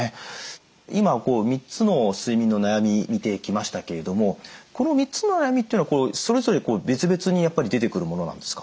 今３つの睡眠の悩み見てきましたけれどもこの３つの悩みっていうのはそれぞれ別々に出てくるものなんですか？